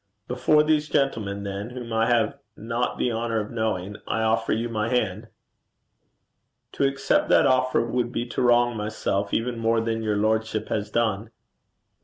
'Before these gentlemen, then, whom I have not the honour of knowing, I offer you my hand.' 'To accept that offer would be to wrong myself even more than your lordship has done.'